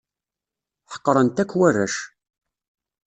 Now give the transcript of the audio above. Ḥeqren-t akk warrac.